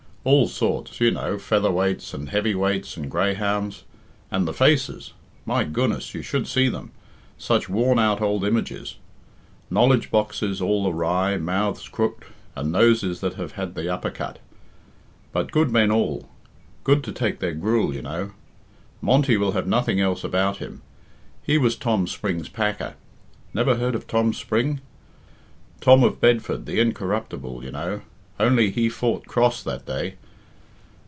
All sorts, you know featherweights, and heavy weights, and greyhounds. And the faces! My goodness, you should see them. Such worn out old images. Knowledge boxes all awry, mouths crooked, and noses that have had the upper cut. But good men all; good to take their gruel, you know. Monty will have nothing else about him. He was Tom Spring's packer. Never heard of Tom Spring? Tom of Bedford, the incorruptible, you know, only he fought cross that day.